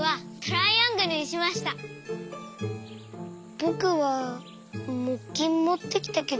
ぼくはもっきんもってきたけど。